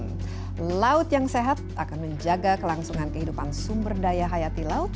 dan laut yang sehat akan menjaga kelangsungan kehidupan sumber daya hayati laut